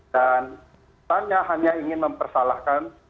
dan saya hanya ingin mempersalahkan